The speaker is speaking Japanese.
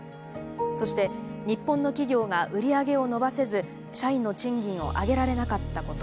そして日本の企業が売り上げを伸ばせず社員の賃金を上げられなかったこと。